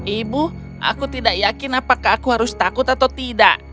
ibu aku tidak yakin apakah aku harus takut atau tidak